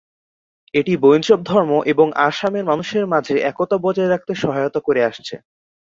এটি বৈষ্ণবধর্ম এবং আসামের মানুষের মাঝে একতা বজায় রাখতে সহায়তা করে আসছে।